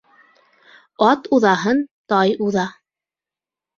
Ат уҙаһын тай уҙа.